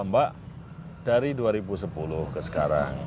mbak dari dua ribu sepuluh ke sekarang